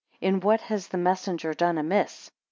In what has the messenger done amiss?